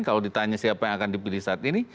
kalau ditanya siapa yang akan dipilih saat ini